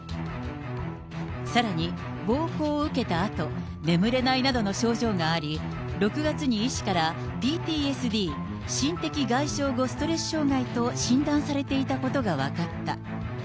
さらに、暴行を受けたあと、眠れないなどの症状があり、６月に医師から、ＰＴＳＤ・心的外傷後ストレス障害と診断されていたことが分かった。